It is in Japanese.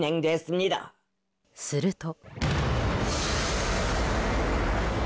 すると。